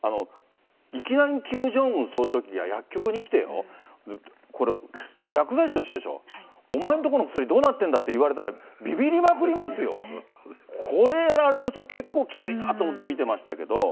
いきなりキム・ジョンウン総書記が薬局に来てよ、これ、薬剤師の人でしょ、お前の所の薬、どうなってんだって言われたら、びびりまくりますよ。これやられると、結構きついなと思って見てましたけど。